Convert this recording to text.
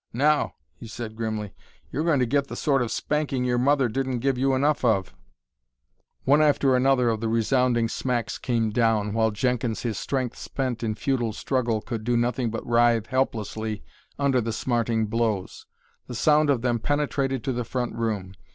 "Now," he said grimly, "you're going to get the sort of spanking your mother didn't give you enough of." One after another the resounding smacks came down, while Jenkins, his strength spent in futile struggle, could do nothing but writhe helplessly under the smarting blows. The sound of them penetrated to the front room.